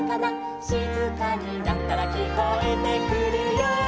「しずかになったらきこえてくるよ」